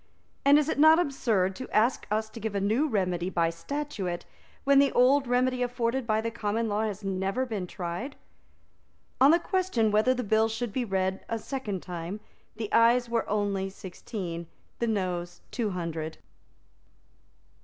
And is it not absurd to ask us to give a new remedy by statute, when the old remedy afforded by the common law has never been tried?" On the question whether the bill should be read a second time, the Ayes were only sixteen, the Noes two hundred.